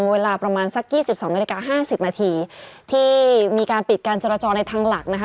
เวลาประมาณสัก๒๒นิดหนัก๕๐นาทีที่มีการปิดการจัดล่าจอในทางหลักนะคะ